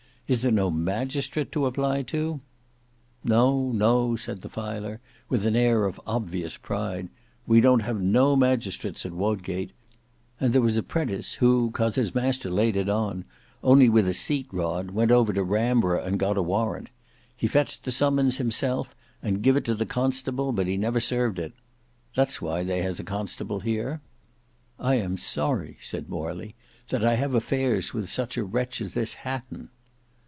"Is there no magistrate to apply to?" "No no," said the filer with an air of obvious pride, "we don't have no magistrates at Wodgate. We've got a constable, and there was a prentice who coz his master laid it on, only with a seat rod, went over to Ramborough and got a warrant. He fetched the summons himself and giv it to the constable, but he never served it. That's why they has a constable here." "I am sorry," said Morley, "that I have affairs with such a wretch as this Hatton."